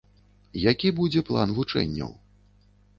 Які будзе план вучэнняў?